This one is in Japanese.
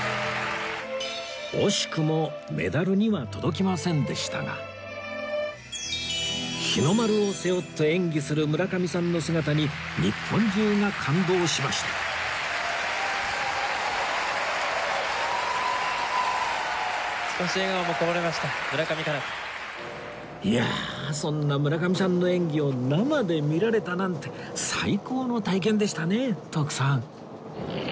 惜しくもメダルには届きませんでしたが日の丸を背負って演技する村上さんの姿にいやそんな村上さんの演技を生で見られたなんて最高の体験でしたね徳さん